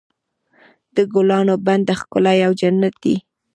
د ګلانو بڼ د ښکلا یو جنت دی.